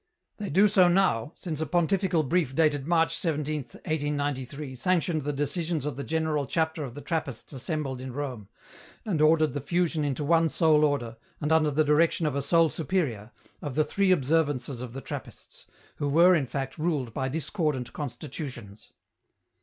" They do so now, since a pontifical brief dated March 17th, 1893, sanctioned the decisions of the general Chapter of the Trappists assembled in Rome, and ordered the fusion into one sole order, and under the direction of a sole superior, of the three observances of the Trappists, who were in fact ruled by discordant constitutions."